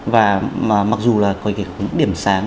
và mặc dù là có những điểm sáng